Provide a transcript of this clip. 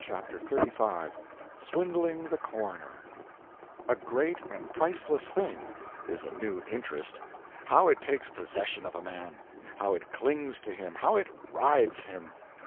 CHAPTER XXXV [Swindling the Coroner] A great and priceless thing is a new interest! How it takes possession of a man! how it clings to him, how it rides him!